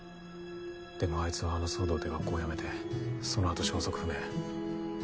でもあいつはあの騒動で学校を辞めてそのあと消息不明。